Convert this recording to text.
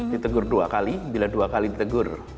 ditegur dua kali bila dua kali ditegur